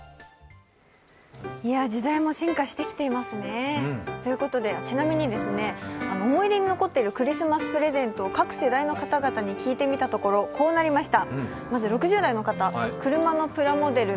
時代も進化してきていますね。ということで、ちなみに思い出に残っているクリスマスプレゼントを各世代の方々に聞いてみたところこうなりました。